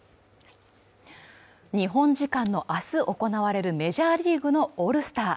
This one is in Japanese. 日本時間の明日行われるメジャーリーグのオールスター